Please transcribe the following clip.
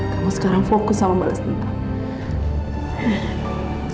kamu sekarang fokus sama malas dendam